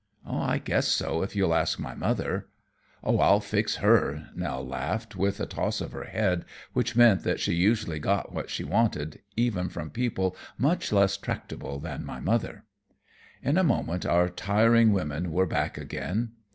"I guess so, if you'll ask my mother." "Oh, I'll fix her!" Nell laughed, with a toss of her head which meant that she usually got what she wanted, even from people much less tractable than my mother. In a moment our tiring women were back again.